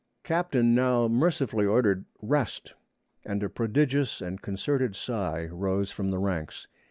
Captain now mercifully ordered, 'Rest,' and a prodigious and concerted sigh rose from the ranks.